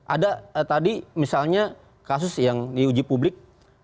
ada tadi misalnya kasus yang diuji publik